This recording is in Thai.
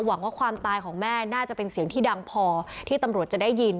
หวังว่าความตายของแม่น่าจะเป็นเสียงที่ดังพอที่ตำรวจจะได้ยิน